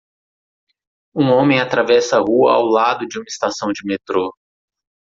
Um homem atravessa a rua ao lado de uma estação de metrô.